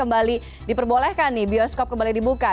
kembali diperbolehkan nih bioskop kembali dibuka